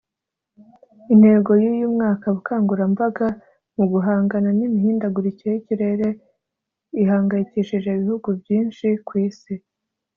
Intego y’uyu mwaka ’ubukangurambaga mu guhangana n’imihindagurikire y’ikirere ihangayikishije ibihugu byinshi ku Isi’